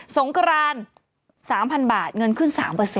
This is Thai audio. สงกราน๓๐๐๐บาทเงินขึ้น๓